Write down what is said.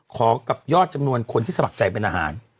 กับยอดจำนวนคนที่สมัครใจเป็นอาหาร